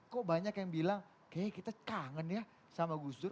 kok banyak yang bilang kayaknya kita kangen ya sama gus dur